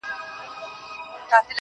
څه مسافره یمه؟ خير دی ته مي ياد يې خو